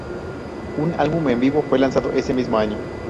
Un álbum en vivo fue lanzado ese mismo año.